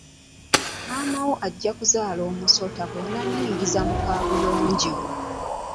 Maama wo ajja kuzaala omusota b'ononningiza mu kaabuyonjo.